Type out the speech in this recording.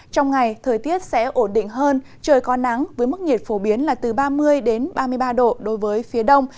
trong ngày thời tiết sẽ ổn định hơn trời có nắng với mức nhiệt phổ biến là từ ba mươi ba mươi ba độ đối với phía đông